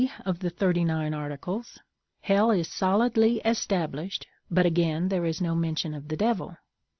of the Thirty nine Articles hell is solidly established, but again there is no mention of the Devil.